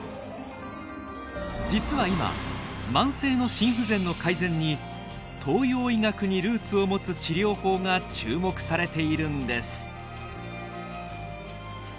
実は今慢性の心不全の改善に東洋医学にルーツを持つ治療法が注目されているんです。